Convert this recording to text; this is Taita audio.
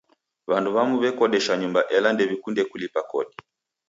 W'andu w'amu w'ekodesha nyumba ela ndew'ikunde kulipa kodi.